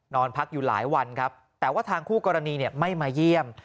นอนพักอยู่หลายวันครับแต่ว่าทางคู่กรณีไม่มาเยี่ยม